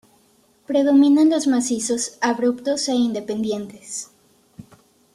Predominan los macizos abruptos e independientes.